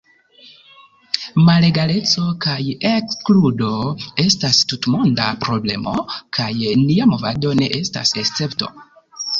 Malegaleco kaj ekskludo estas tutmonda problemo, kaj nia movado ne estas escepto.